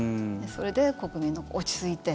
それで国民も落ち着いて。